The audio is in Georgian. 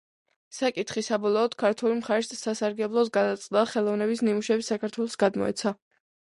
საკითხი საბოლოოდ ქართული მხარის სასარგებლოდ გადაწყდა და ხელოვნების ნიმუშები საქართველოს გადმოეცა.